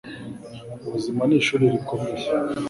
ubuzima nishuli rikomeye